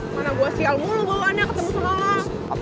mana gue sial mulu gue luannya ketemu sama lo